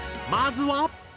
まずは。